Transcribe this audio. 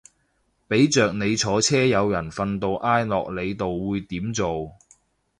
俾着你坐車有人瞓到挨落你度會點做